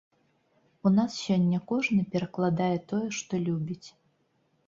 У нас сёння кожны перакладае тое, што любіць.